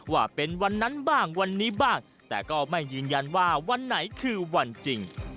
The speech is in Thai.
ว่าเป็นวันนั้นบ้างวันนี้บ้างแต่ก็ไม่ยืนยันว่าวันไหนคือวันจริง